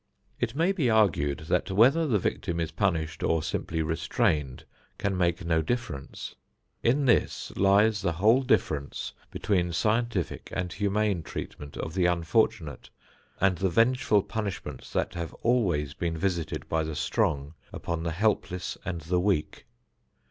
It may be argued that whether the victim is punished or simply restrained can make no difference. In this lies the whole difference between scientific and humane treatment of the unfortunate, and the vengeful punishments that have always been visited by the strong upon the helpless and the weak.